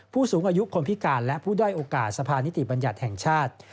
ผู้สูงอายุคนพิการและผู้ด้อยโอกาสสภานิติบัญญัติแห่งชาติ